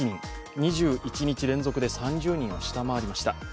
２１日連続で３０人を下回りました。